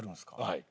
はい。